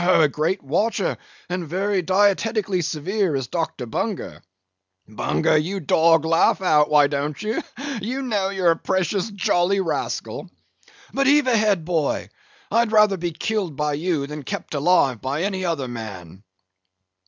Oh! a great watcher, and very dietetically severe, is Dr. Bunger. (Bunger, you dog, laugh out! why don't ye? You know you're a precious jolly rascal.) But, heave ahead, boy, I'd rather be killed by you than kept alive by any other man."